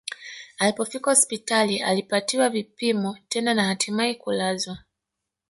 Alipofika hospitali alipatiwa vipimo tena na hatimae kulazwa